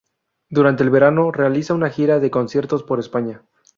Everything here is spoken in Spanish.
Durante el verano realiza una gira de conciertos por España.